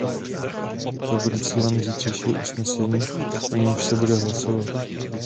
To bude cílem zítřejšího usnesení, o němž se bude hlasovat.